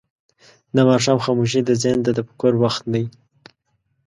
د ماښام خاموشي د ذهن د تفکر وخت دی.